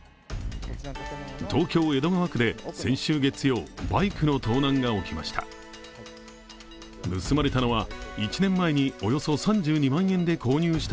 東京・江戸川区で先週月曜、バイクの盗難が起きました。